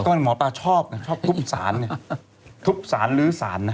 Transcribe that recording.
หมอปลาชอบนะชอบทุบสารเนี่ยทุบสารลื้อสารนะ